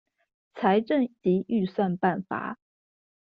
財政及預算辦法